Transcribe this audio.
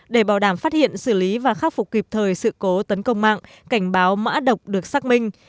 để bảo đảm phát hiện xử lý và khắc phục kịp thời sự cố tấn công mạng cảnh báo mã độc được xác minh